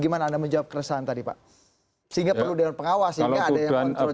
gimana anda menjawab keresahan tadi pak sehingga perlu dewan pengawas sehingga ada yang kontrol